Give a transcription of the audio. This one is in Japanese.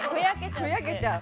ふやけちゃう。